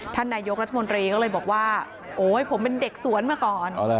ท่านนายกรัฐมนตรีก็เลยบอกว่าโอ๊ยผมเป็นเด็กสวนมาก่อน